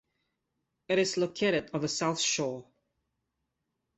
It is located on the South Shore.